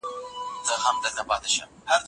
هغه مآخذونه چي ما موندلي ډېر نوي دي.